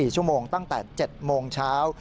๔ชั่วโมงตั้งแต่๗โมงเช้า